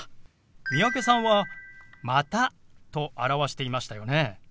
三宅さんは「また」と表していましたよね。